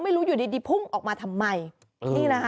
ไม่รู้อยู่ดีพุ่งออกมาทำไมนี่นะฮะ